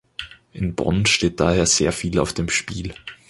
In Bonn steht daher sehr viel auf dem Spiel.